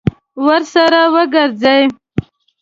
ورسره وګرځي.